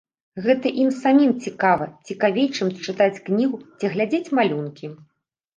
Гэта ім самім цікава, цікавей, чым чытаць кнігу ці глядзець малюнкі.